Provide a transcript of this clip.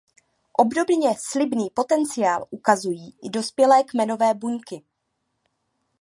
Obdobně slibný potenciál ukazují i dospělé kmenové buňky.